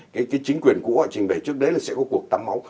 cái chính quyền của họ trình bày trước đấy là sẽ có cuộc tắm máu